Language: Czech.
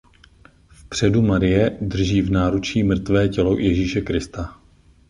Vpředu Marie drží v náručí mrtvé tělo Ježíše Krista.